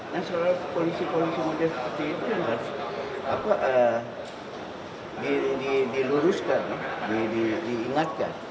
nah polisi polisi yang sudah seperti itu harus diluruskan diingatkan